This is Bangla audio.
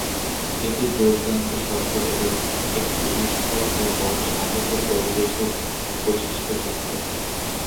এটি দুর্দান্ত শব্দ এবং একটি উষ্ণ এবং স্বাগত পরিবেশক বৈশিষ্ট্যযুক্ত।